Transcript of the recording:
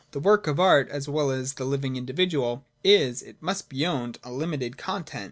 — The work of Art, as well as the living individual, is, it must be owned, of limited content.